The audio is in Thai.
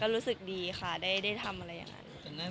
รู้สึกดีค่ะได้ทำอะไรอย่างนั้น